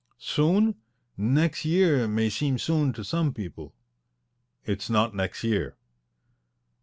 "Soon! Next year may seem soon to some people." "It's not next year."